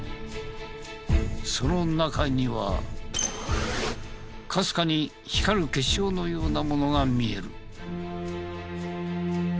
その中にはかすかに光る結晶のようなものが見える。